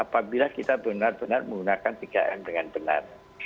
apabila kita benar benar menggunakan tiga m dengan benar